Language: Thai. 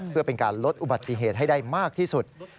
เพื่อเป็นการลดอุบัติเหตุให้ได้มากที่สุด